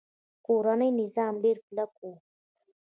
کورنۍ نظام ډیر کلک و